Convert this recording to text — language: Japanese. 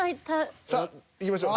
さあいきましょう。